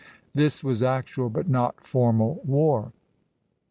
This was actual, but not formal, war.